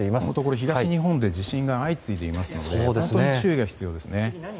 このところ東日本で地震が相次いでいますので本当に注意が必要ですね。